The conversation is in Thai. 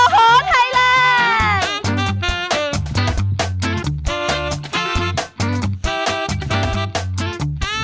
อ๋อโหไทยแลนด์